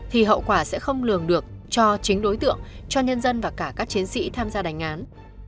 thì hậu quả sẽ không lường được cho chính đối tượng cho nhân dân và cả các chiến sĩ tham gia đánh án